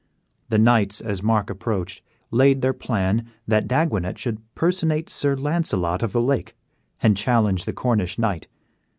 The knights as Mark approached laid their plan that Daguenet should personate Sir Launcelot of the Lake, and challenge the Cornish knight.